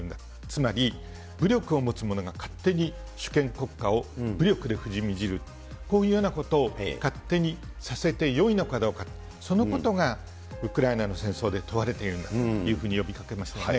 つまり、武力を持つ者が勝手に主権国家を武力で踏みにじる、こういうようなことを勝手にさせてよいのかどうかと、そのことがウクライナの戦争で問われているんだというふうに呼びかけましたよね。